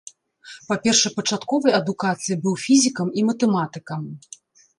Па першапачатковай адукацыі быў фізікам і матэматыкам.